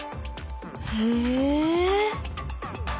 へえ。